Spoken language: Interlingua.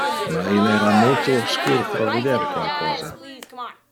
Ma il era multo obscur pro vider qualcosa.